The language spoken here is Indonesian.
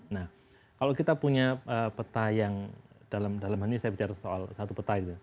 nah kalau kita punya peta yang dalam hal ini saya bicara soal satu peta gitu